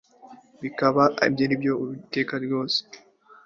Bikaba byatangajwe ko ibibuga byindege bigiye gufungurwa